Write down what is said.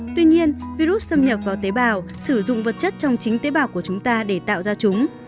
tuy nhiên virus xâm nhập vào tế bào sử dụng vật chất trong chính tế bào của chúng ta để tạo ra chúng